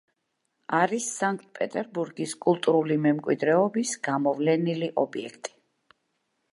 არის სანქტ-პეტერბურგის კულტურული მემკვიდრეობის გამოვლენილი ობიექტი.